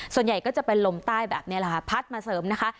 ส่วนใหญ่ก็จะเป็นลมใต้แบบนี้แหละค่ะพัดมาเสริมนะคะ